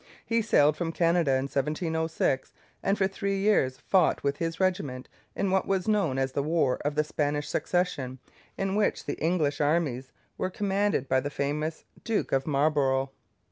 He sailed from Canada in 1706, and for three years fought with his regiment in what was known as the War of the Spanish Succession, in which the English armies were commanded by the famous Duke of Marlborough.